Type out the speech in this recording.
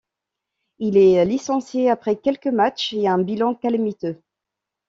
Il est licencié après quelques matches et un bilan calamiteux.